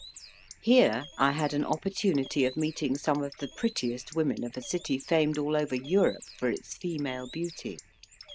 Here I had an opportunity of meeting some of the prettiest women of a city famed all over Europe for its female beauty.